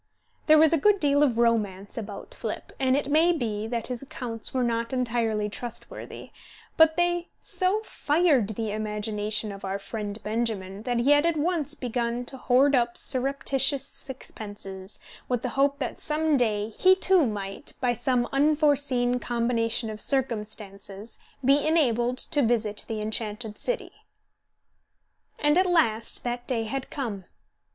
There was a good deal of romance about Flipp, and it may be that his accounts were not entirely trustworthy; but they so fired the imagination of our friend Benjamin that he had at once begun to hoard up surreptitious sixpences, with the hope that some day he too might, by some unforeseen combination of circumstances, be enabled to visit the enchanted city. And at last that day had come.